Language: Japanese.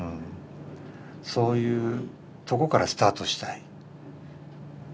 そういうとこからスタートしたい。